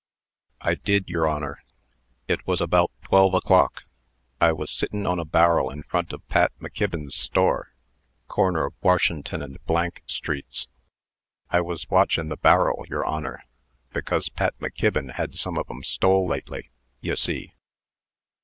"I did, yer Honor. It was about twelve o'clock. I was sittin' on a bar'l in front of Pat McKibbin's store, corner of Washin'ton and streets. I was watchin' the bar'l, yer Honor, becos Pat McKibbin had some of 'em stole lately, ye see."